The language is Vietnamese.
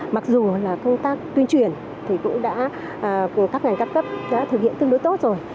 mặc dù là công tác tuyên truyền thì cũng đã công tác ngành cấp cấp đã thực hiện tương đối tốt rồi